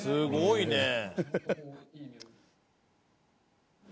すごいね！